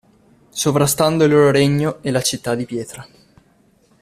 Sovrastando il loro regno e la città di pietra.